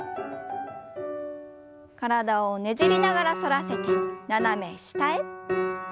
体をねじりながら反らせて斜め下へ。